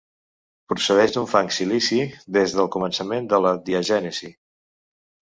Procedeix d'un fang silici des del començament de la diagènesi.